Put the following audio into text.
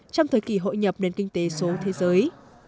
trong thời kỳ hội nhập nền kinh tế số thế giới